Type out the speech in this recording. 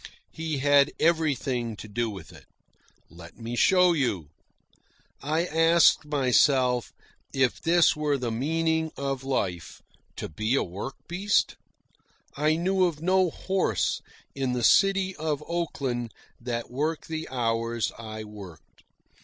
He had everything to do with it. Let me show you. I asked myself if this were the meaning of life to be a work beast? I knew of no horse in the city of Oakland that worked the hours I worked.